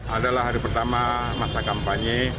adalah hari pertama masa kampanye